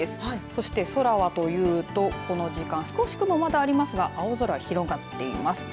そして、空はというとこの時間少し雲がまだありますが青空、広がっています。